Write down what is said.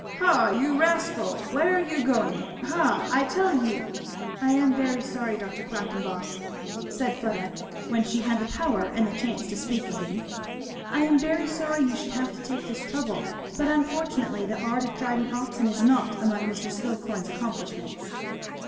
Haw! you rascal where are you going! Haw! I tell ye " "I am very sorry, Dr. Quackenboss," said Fleda when she had the power and the chance to speak again, "I am very sorry you should have to take this trouble; but unfortunately the art of driving oxen is not among Mr. Skillcorn's accomplishments."